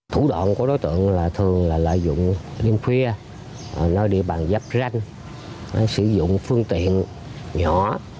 thủ đoạn của đối tượng là thường là lợi dụng đêm khuya nơi địa bàn dắp ranh sử dụng phương tiện nhỏ